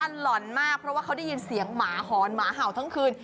หล่อนมากเพราะว่าเขาได้ยินเสียงหมาหอนหมาเห่าทั้งคืน